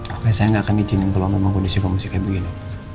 pokoknya saya gak akan izin yang peluang peluang kondisi kamu masih kayak begini